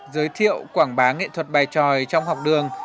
giới thiệu quảng bá nghệ thuật bài tròi trong học đường